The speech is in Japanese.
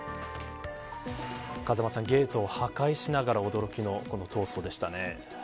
風間さんゲートを破壊しながら驚きの逃走でしたね。